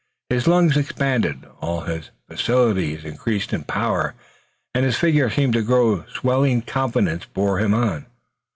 His lungs expanded, all his faculties increased in power, and his figure seemed to grow. Swelling confidence bore him on.